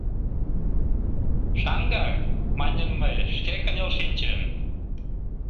— Шаҥгак, — маньым мый, шке кынел шинчым.